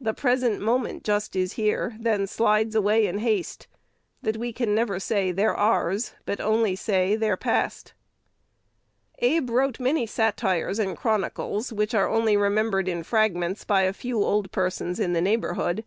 The present moment just is here, Then slides away in haste, That we can never say they're ours, But only say they are past." Abe wrote many "satires" and "chronicles," which are only remembered in fragments by a few old persons in the neighborhood.